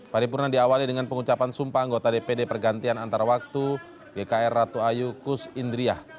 paripurna diawali dengan pengucapan sumpah anggota dpd pergantian antar waktu gkr ratu ayu kus indriah